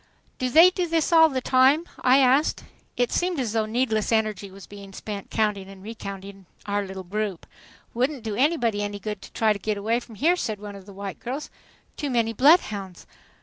"Do they do this all the time?" I asked. It seemed as though needless energy was being spent counting and recounting our little group. "Wouldn't do anybody any good to try to get away from here," said one of the white girls. "Too many bloodhounds!"